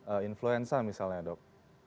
penyakit influenza misalnya dok